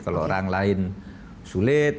kalau orang lain sulit